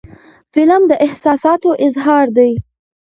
فلم د احساساتو اظهار دی